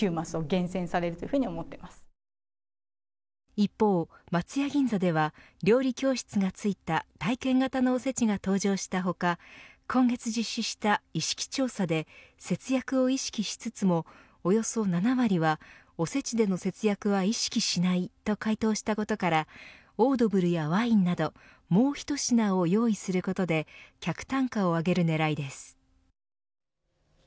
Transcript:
一方、松屋銀座では料理教室がついた体験型のおせちが登場した他今月実施した意識調査で節約を意識しつつもおよそ７割は、おせちでの節約は意識しないと回答したことからオードブルやワインなどもう一品を用意することで客単価を上げる狙いです。